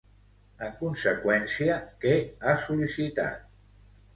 En conseqüència, què ha sol·licitat?